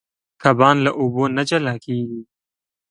کبان له اوبو نه جلا کېږي.